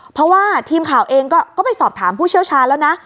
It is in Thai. เพราะว่าทีมข่าวเองก็ไปสอบถามผู้เชี่ยวชาญแล้วนะ